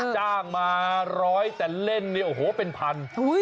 จ้างมาร้อยแต่เล่นเนี่ยโอ้โหเป็นพัน